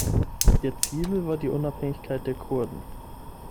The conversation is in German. Ihr Ziel war die Unabhängigkeit der Kurden.